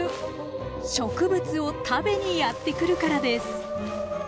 植物を食べにやって来るからです！